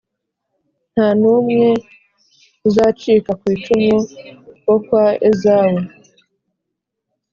nta n’umwe uzacika ku icumu wo kwa ezawu.